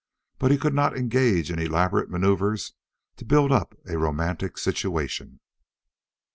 But he could not engage in elaborate maneuvers to build up a romantic situation.